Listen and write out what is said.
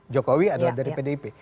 jokowi adalah dari pdip